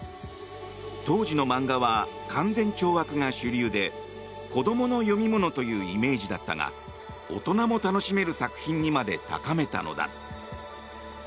当時の漫画は勧善懲悪が主流で子どもの読み物というイメージだったが大人も楽しめる作品にまで高めたのだ。